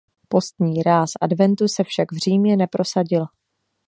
Postní ráz adventu se však v Římě neprosadil.